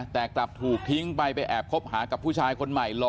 แต่กลับถูกทิ้งไปไปแอบคบหากับผู้ชายคนใหม่หล่อ